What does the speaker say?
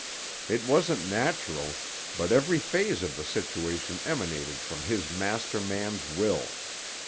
It wasn't natural, but every phase of the situation emanated from his master man's will.